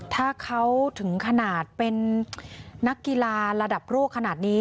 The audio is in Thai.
ถ้าเขาถึงขนาดเป็นนักกีฬาระดับโลกขนาดนี้